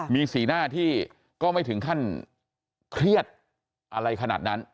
มีสีหน้าที่ก็ไม่ถึงขั้นเครียดอะไรขนาดนั้น